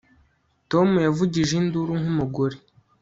Tom yavugije induru nkumugore